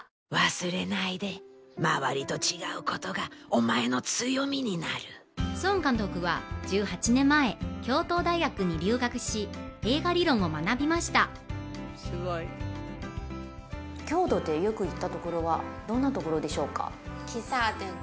忘れないで周りと違うことがお前の強みになる宋監督は１８年前京都大学に留学し映画理論を学びました京都でよく行ったところはどんなところでしょうか？